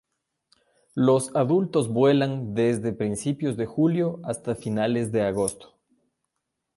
Los adultos vuelan desde principios de julio hasta finales de agosto.